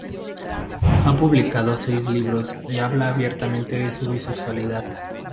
Ha publicado seis libros y habla abiertamente de su bisexualidad.